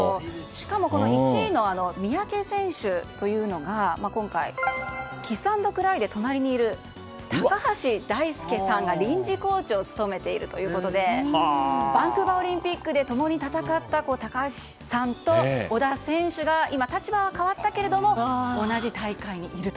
しかも、この１位の三宅選手は今回キスアンドクライで隣にいる高橋大輔さんが臨時コーチを務めているということでバンクーバーオリンピックで共に戦った高橋さんと織田選手が今、立場は変わったけれども同じ大会にいると。